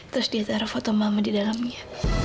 terus dia taruh foto mama di dalamnya